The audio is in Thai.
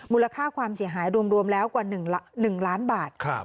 มูลค่าความเสียหายรวมแล้วกว่า๑ล้านบาท